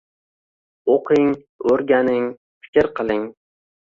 O’qing, o’rganing, fikr qiling